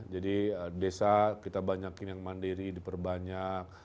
jadi desa kita banyakin yang mandiri diperbanyak